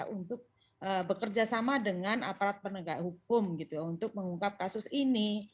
untuk bekerja sama dengan aparat penegak hukum untuk mengungkap kasus ini